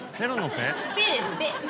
ペですペ。